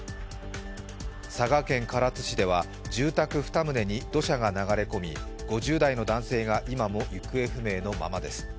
佐賀県唐津市では住宅２棟に土砂が流れ込み５０代の男性が今も行方不明のままです。